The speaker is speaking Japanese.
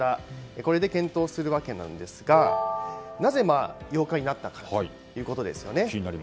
これで検討するわけなんですがなぜ８日になったかということですよね。